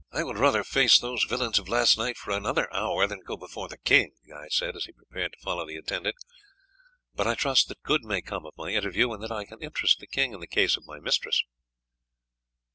"I would rather face those villains of last night for another hour than go before the king," Guy said, as he prepared to follow the attendant; "but I trust that good may come of my interview, and that I can interest the king in the case of my mistress."